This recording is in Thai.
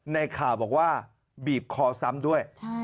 ในข่าวบอกว่าบีบคอซ้ำด้วย